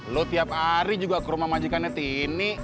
lo tiap hari juga ke rumah majikannya tini